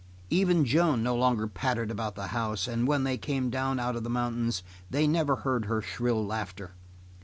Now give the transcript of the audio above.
Even Joan no longer pattered about the house, and when they came down out of the mountains they never heard her shrill laughter.